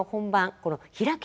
この「披き」